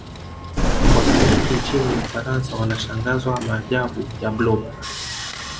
Watu wengi nchini ufaransa wanashangazwa maajabu ya blob